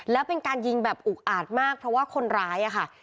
แล้วเป็นการยิงแบบอุกอาจมากเพราะว่าคนร้ายอะค่ะ